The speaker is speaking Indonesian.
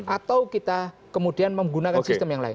atau kita kemudian menggunakan sistem yang lain